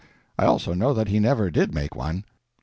I also know that He never did make one.